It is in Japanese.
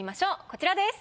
こちらです。